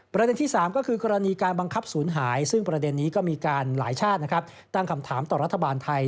ประเด็นที่๓ก็คือกรณีการบังคับศูนย์หายซึ่งประเด็นนี้ก็มีการหลายชาตินะครับตั้งคำถามต่อรัฐบาลไทย